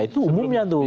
itu umumnya tuh